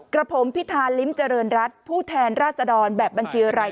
กับผมพิธาลิ้มเจริญรัฐผู้แทนราชดรแบบบัญชีอะไร